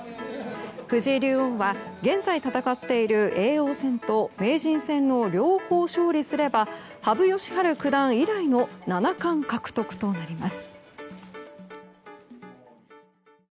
藤井竜王は、現在戦っている叡王戦と名人戦の両方勝利すれば羽生善治九段以来の七冠獲得となります。